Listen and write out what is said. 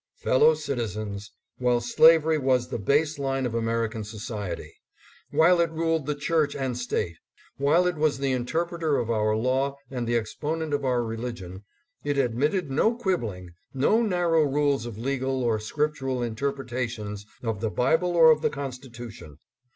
Fellow citizens ! While slavery was the base line of American society, while it ruled the church and state ; while it was the interpreter of our law and the exponent of our religion, it admitted no quibbling, no narrow rules of legal or scriptural interpretations of the Bible or of the Constitution.